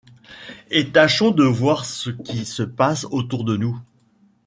et tâchons de voir ce qui se passe autour de nous.